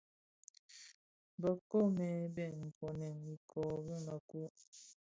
Bë nkoomèn bèn nbonèn iko bi mëku.